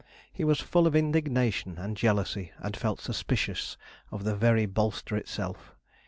He was full of indignation and jealousy, and felt suspicious of the very bolster itself.